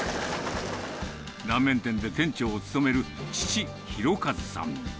ラーメン店で店長を務める父、弘和さん。